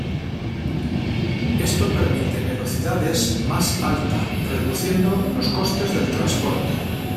Esto permite velocidades más alta reduciendo los costes del transporte.